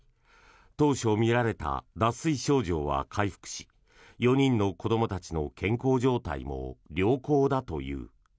当初見られた脱水症状は回復し４人の子どもたちの健康状態も良好だという。